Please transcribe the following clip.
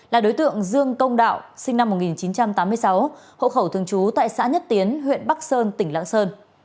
là đối tượng dương công đạo sinh năm một nghìn chín trăm tám mươi sáu hộ khẩu thường trú tại xã nhất tiến huyện bắc sơn tỉnh lạng sơn